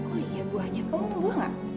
oh iya buahnya kamu mau buah nggak